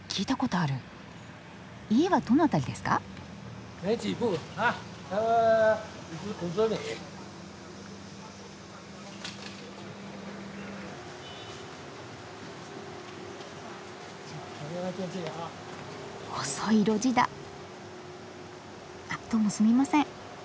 あっどうもすみません。